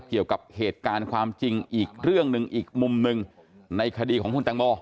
เกี่ยวกับเหตุการณ์ความจริงอีกเรื่องหนึ่งอีกมุมหนึ่งในคดีของคุณแตงโม